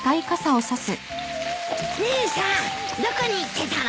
姉さんどこに行ってたの？